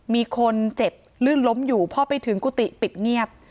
มีคนเจ็บลื่นล้มอยู่พอไปถึงกุฏิปิดเงียบ